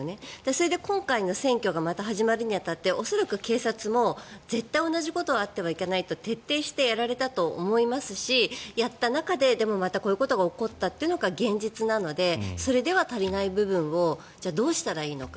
それで、今回の選挙がまた始まるに当たって恐らく警察も絶対同じことはあってはいけないと徹底してやられたと思いますしやった中ででも、またこういうことが起こったというのが現実なのでそれでは足りない部分をじゃあどうしたらいいのか。